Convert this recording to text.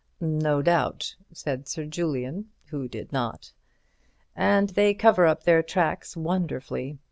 "No doubt," said Sir Julian, who did not, "and they cover up their tracks wonderfully.